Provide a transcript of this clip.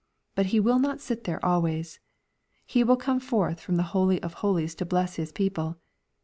But He will not sit there always. He will come forth from the hol}'^ of holies to bless His people.